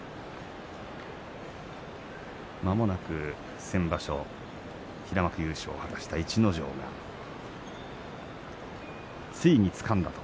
まもなく先場所平幕優勝を果たした逸ノ城がついにつかんだと。